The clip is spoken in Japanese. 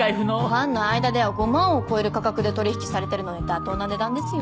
ファンの間では５万を超える価格で取引されているので妥当な値段ですよ。